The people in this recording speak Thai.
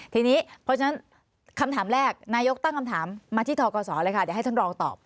ทีนี้เพราะฉะนั้นคำถามแรกนายกตั้งคำถามมาที่ทกศเลยค่ะเดี๋ยวให้ท่านรองตอบ